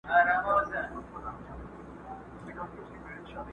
د طوطي بڼکي تویي سوې ګنجی سو!.